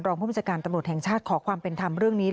ผู้บัญชาการตำรวจแห่งชาติขอความเป็นธรรมเรื่องนี้